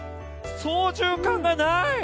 操縦かんがない！